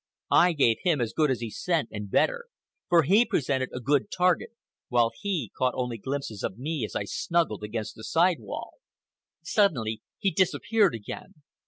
I gave him as good as he sent, and better; for he presented a good target, while he caught only glimpses of me as I snuggled against the side wall. Suddenly he disappeared again.